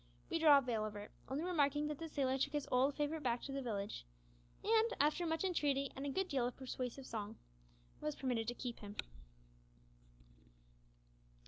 We draw a veil over it, only remarking that the sailor took his old favourite back to the village, and, after much entreaty and a good deal of persuasive song, was permitted to keep him.